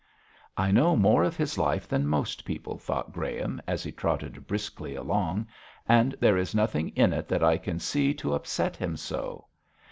'I know more of his life than most people,' thought Graham, as he trotted briskly along, 'and there is nothing in it that I can see to upset him so.